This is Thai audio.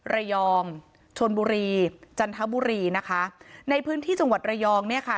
ระยองชนบุรีจันทบุรีนะคะในพื้นที่จังหวัดระยองเนี่ยค่ะ